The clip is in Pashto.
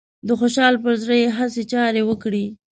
د خوشحال پر زړه يې هسې چارې وکړې